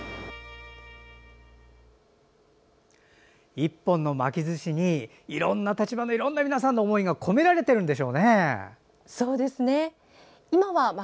１本の巻きずしにいろんな立場のいろんな皆さんの思いが込められているんでしょうね。